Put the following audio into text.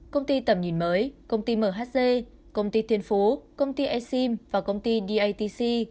công ty tầm nhìn mới công ty mhc công ty thiên phú công ty exim và công ty datc